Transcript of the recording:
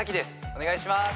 お願いします！